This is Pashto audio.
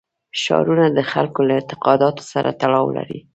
ښارونه د خلکو له اعتقاداتو سره تړاو لري.